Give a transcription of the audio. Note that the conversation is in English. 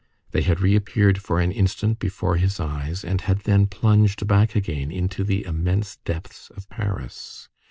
They had reappeared for an instant before his eyes, and had then plunged back again into the immense depths of Paris.